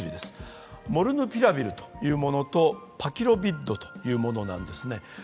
モルヌピラビルとパキロビッドというものなんですね。